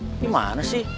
ini mana sih